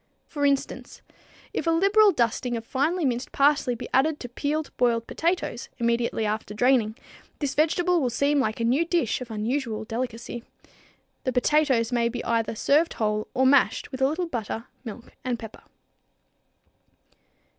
For instance, if a liberal dusting of finely minced parsley be added to peeled, boiled potatoes, immediately after draining, this vegetable will seem like a new dish of unusual delicacy. The potatoes may be either served whole or mashed with a little butter, milk and pepper.